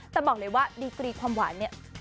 แต่บอกเลยว่าดีครีคความหวาน